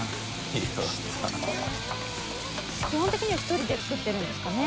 基本的には１人で作ってるんですかね？